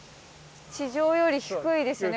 地上より低いですよね